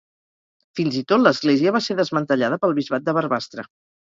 Fins i tot, l'església va ser desmantellada pel Bisbat de Barbastre.